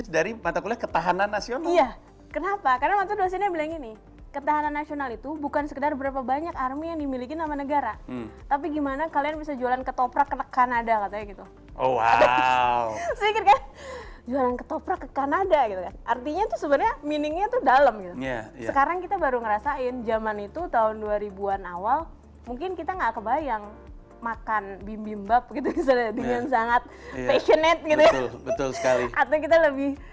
dianggap sebagai bisnis dari mata kuliah ketahanan nasional